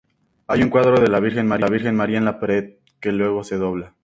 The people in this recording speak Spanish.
Hay un cuadro de la Virgen María en la pared, que luego se dobla.